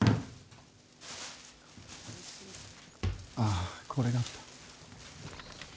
あ、これがあった。